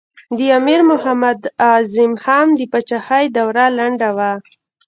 د امیر محمد اعظم خان د پاچهۍ دوره لنډه وه.